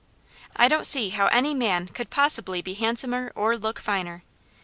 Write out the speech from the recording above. I don't see how any man could possibly be handsomer or look finer.